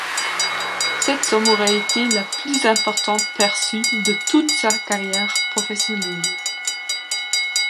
Cette somme aurait été la plus importante perçue de toute sa carrière professionnelle.